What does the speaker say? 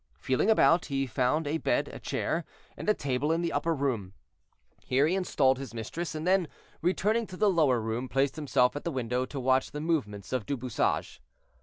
Feeling about, he found a bed, a chair, and a table in an upper room. Here he installed his mistress, and then, returning to the lower room, placed himself at the window, to watch the movements of Du Bouchage.